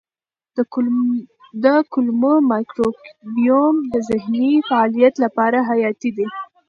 د کولمو مایکروبیوم د ذهني فعالیت لپاره حیاتي دی.